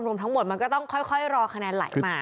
รวมทั้งหมดมันก็ต้องค่อยรอคะแนนไหลมา